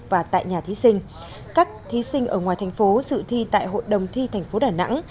và tại nhà thí sinh các thí sinh ở ngoài thành phố dự thi tại hội đồng thi thành phố đà nẵng